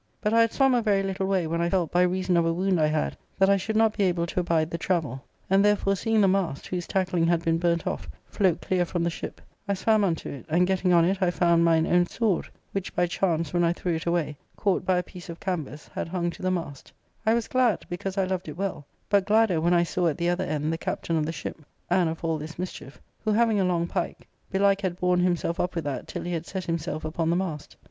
But I had sworn a very little way when I felt, by reason of a wound I had, that I should not be able to abide the travel ; and, therefore, seeing the mast, whose tackling had been burnt off, float clear from the ship, I swam unto it, and getting on it I found mine own sword, which by chance, when I threw it away, caught by a piece of canvas, had hung to the mast I was glad, because I loved it well, but gladder when I saw at the other end the captain of the ship, and of all this mischief, who having a long pike, belike had borne himself up with that till he had set himself upon the mast.